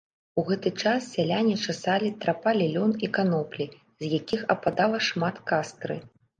У гэты час сяляне часалі, трапалі лён і каноплі, з якіх ападала шмат кастры.